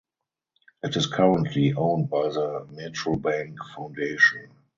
It is currently owned by the Metrobank Foundation.